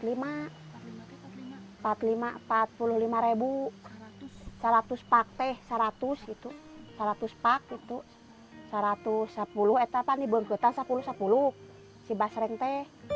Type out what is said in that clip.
seratus seratus itu seratus itu satu ratus sepuluh itu apa di bung kota satu ratus sepuluh di basreng itu